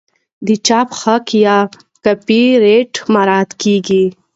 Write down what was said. د چاپ حق یا کاپي رایټ مراعات کیږي.